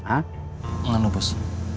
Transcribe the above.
enggak noh bos